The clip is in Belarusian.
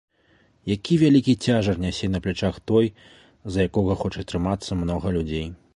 Які вялікі цяжар нясе на плячах той, за якога хоча трымацца многа людзей!